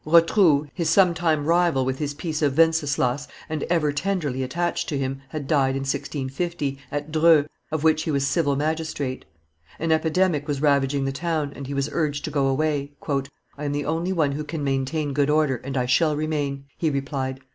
Rotrou, his sometime rival with his piece of Venceslas, and ever tenderly attached to him, had died, in 1650, at Dreux, of which he was civil magistrate. An epidemic was ravaging the town, and he was urged to go away. "I am the only one who can maintain good order, and I shall remain," he replied.